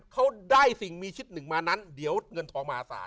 เขาได้สิ่งมีชิดหนึ่งมานั้นเดี๋ยวเงินทองมหาศาล